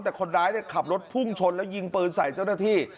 แต่คนร้ายขับรถพุ่งชนแล้วยิงปืนใส่เจ้าหน้าที่